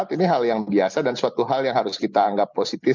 ini hal yang biasa dan suatu hal yang harus kita anggap positif